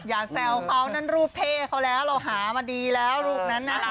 แซวเขานั่นรูปเท่เขาแล้วเราหามาดีแล้วรูปนั้นนะ